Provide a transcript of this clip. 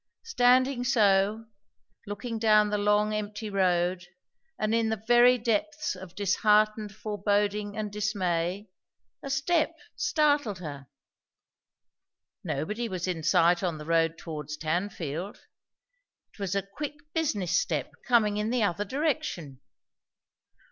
Standing so, looking down the long empty road, and in the very depths of disheartened foreboding and dismay, a step startled her. Nobody was in sight on the road towards Tanfield; it was a quick business step coming in the other direction.